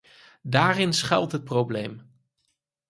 Daarin schuilt het probleem.